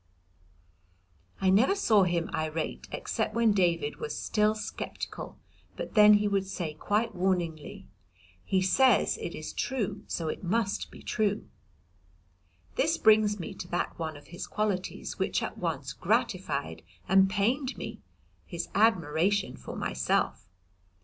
I never saw him irate except when David was still sceptical, but then he would say quite warningly "He says it is true, so it must be true." This brings me to that one of his qualities, which at once gratified and pained me, his admiration for myself.